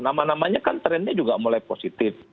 nama namanya kan trennya juga mulai positif